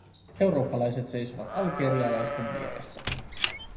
Eurooppalaiset seisovat algerialaisten vieressä.